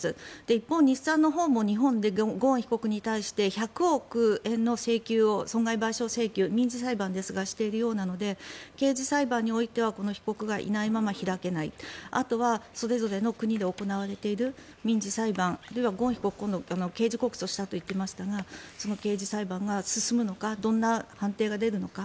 一方、日産のほうも日本でゴーン被告に対して１００億円の請求損害賠償請求、民事裁判ですがしているようなので刑事裁判においては被告がいないまま開けないあとはそれぞれの国で行われている民事裁判あるいはゴーン被告を刑事告訴したと言っていましたがその刑事裁判が進むのかどんな判定が出るのか